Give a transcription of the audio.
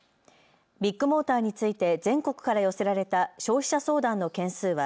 ビッグモーターについて全国から寄せられた消費者相談の件数は